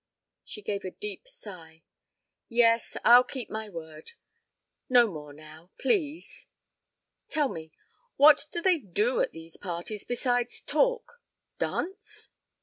She gave a deep sigh. "Yes, I'll keep my word. No more now please! ... Tell me, what do they do at these parties besides talk dance?"